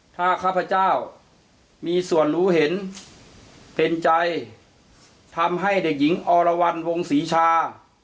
ถ้าข้าพเจ้ามีส่วนรู้เห็นเป็นใจทำให้เด็กหญิงอรวรรณวงศรีชา